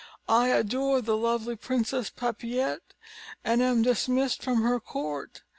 I adore the lovely Princess Papillette, and am dismissed from her court.